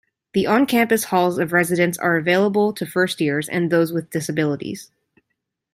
The on-campus halls of residence are available to first years and those with disabilities.